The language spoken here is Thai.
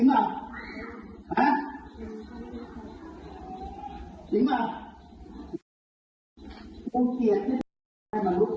ส่วนวัดกายไม่มีความสุข